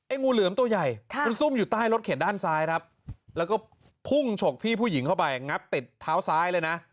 งูเหลือมตัวใหญ่มันซุ่มอยู่ใต้รถเข็นด้านซ้ายครับแล้วก็พุ่งฉกพี่ผู้หญิงเข้าไปงับติดเท้าซ้ายเลยนะ